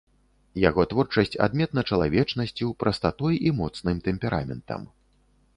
Яго творчасць адметна чалавечнасцю, прастатой і моцным тэмпераментам.